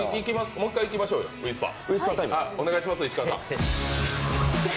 もう一回いきましょうよ、ウイスパー。